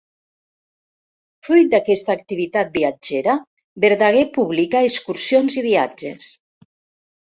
Fruit d'aquesta activitat viatgera, Verdaguer publica Excursions i viatges.